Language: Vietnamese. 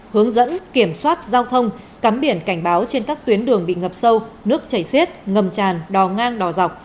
hướng dẫn kiểm soát giao thông cắm biển cảnh báo trên các tuyến đường bị ngập sâu nước chảy xiết ngầm tràn đò ngang đò dọc